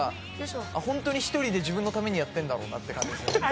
ホントに１人で自分のためにやってるんだろうなという感じですね。